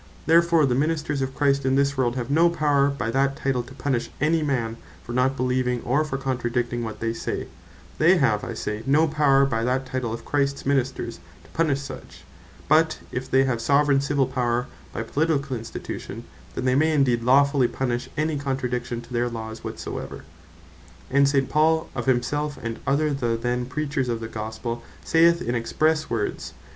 Therefore the Ministers of Christ in this world, have no Power by that title, to Punish any man for not Beleeving, or for Contradicting what they say; they have I say no Power by that title of Christs Ministers, to Punish such: but if they have Soveraign Civill Power, by politick institution, then they may indeed lawfully Punish any Contradiction to their laws whatsoever: And St. Paul, of himselfe and other then Preachers of the Gospell saith in expresse words, (2 Cor.